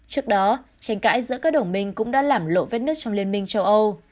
trước đó tranh cãi giữa các đồng minh cũng đã làm lộ vết nước trong liên minh châu âu